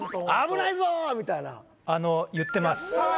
「危ないぞ！」みたいなあの言ってます